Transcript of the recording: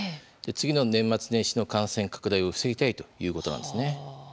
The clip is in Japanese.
次の年末年始の感染拡大を防ぎたいということなんですね。